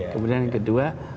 kemudian yang kedua